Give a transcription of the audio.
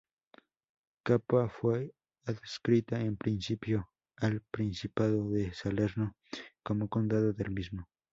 Capua fue adscrita en principio al Principado de Salerno como condado del mismo.